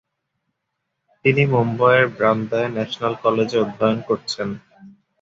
তিনি মুম্বইয়ের বান্দ্রায় ন্যাশনাল কলেজে অধ্যয়ন করছেন।